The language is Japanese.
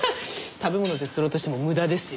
食べ物で釣ろうとしても無駄ですよ。